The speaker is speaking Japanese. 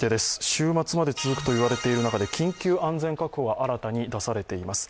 週末まで続くと言われている中で、緊急安全確保が新たに出されています。